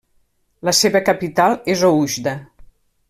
La seva capital és Oujda.